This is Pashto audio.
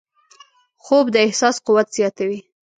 خوب د احساس قوت زیاتوي